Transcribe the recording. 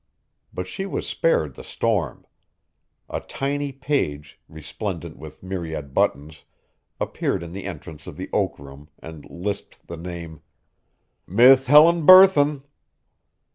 But she was spared the storm. A tiny page, resplendant with myriad buttons, appeared in the entrance to the Oak Room and lisped the name: "Mith Helen Burthon."